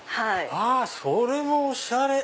それもおしゃれ！